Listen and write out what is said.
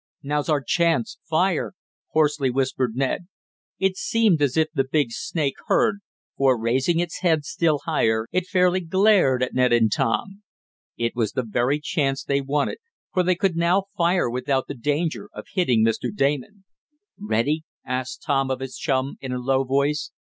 "Now's our chance fire!" hoarsely whispered Ned. It seemed as if the big snake heard, for, raising its head still higher, it fairly glared at Ned and Tom. It was the very chance they wanted, for they could now fire without the danger of hitting Mr. Damon. "Ready?" asked Tom of his chum in a low voice.